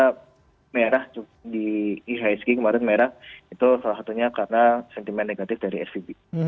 karena merah di ihsg kemarin merah itu salah satunya karena sentimen negatif dari svb